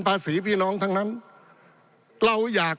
ปี๑เกณฑ์ทหารแสน๒